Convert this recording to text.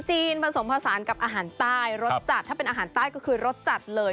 ผสมผสานกับอาหารใต้รสจัดถ้าเป็นอาหารใต้ก็คือรสจัดเลย